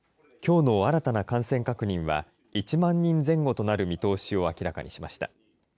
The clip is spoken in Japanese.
きょうの新たな感染確認は、１万人前後となる見通しを明らかにしました。